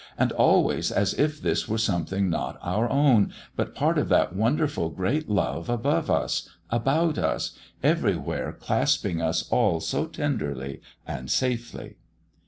And always as if this were something not our own, but part of that wonderful great Love above us, about us, everywhere, clasping us all so tenderly and safely!"